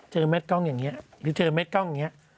แม่กล้องอย่างนี้หรือเจอแม่กล้องอย่างนี้